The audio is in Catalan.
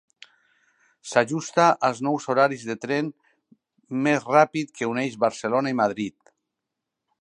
S'ajusta als nous horaris del tren més ràpid que uneix Barcelona i Madrid.